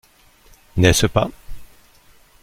N'est-ce pas ?